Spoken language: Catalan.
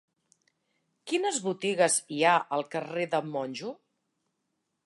Quines botigues hi ha al carrer de Monjo?